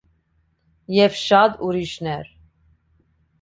Եվ շատ ուրիշներ։